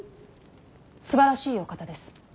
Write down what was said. すばらしいお方です。